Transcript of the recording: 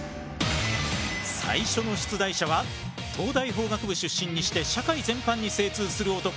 最初の出題者は東大法学部出身にして社会全般に精通する男